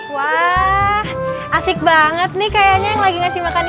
wah asik banget nih kayaknya yang lagi ngasih makan